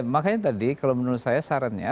makanya tadi kalau menurut saya sarannya